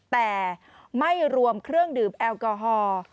แต่ไม่รวมเครื่องดื่มแอลกอฮอล์